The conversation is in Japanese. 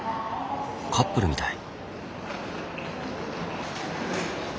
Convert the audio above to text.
カップルみたい。